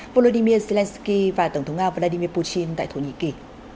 volodymyr zelensky và tổng thống nga vladimir putin tại thổ nhĩ kỳ